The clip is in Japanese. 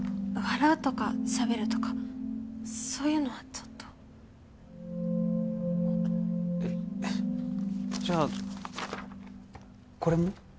笑うとかしゃべるとかそういうのはちょっとえっじゃこれも？